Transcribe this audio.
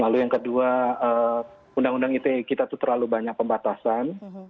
lalu yang kedua undang undang ite kita itu terlalu banyak pembatasan